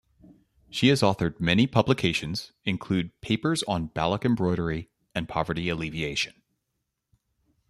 She has authored many publications include Papers on Baloch Embroidery and Poverty alleviation.